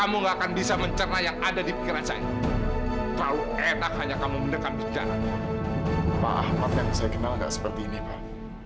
maaf pak yang saya kenal nggak seperti ini pak